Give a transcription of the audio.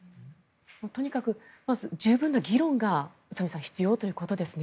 とにかくまず十分な議論が必要だということですね。